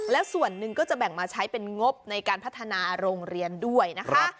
แล้วส่วนหนึ่งก็จะแบ่งมาใช้เป็นงบในการพัฒนาโรงเรียนด้วยนะคะ